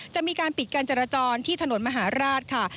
จะมีการปิดการจราจรที่ถนนมหาราชค่ะ